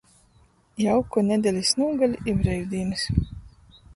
Jauku nedelis nūgali i breivdīnys!